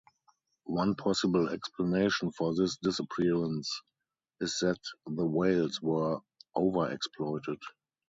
One possible explanation for this disappearance is that the whales were overexploited.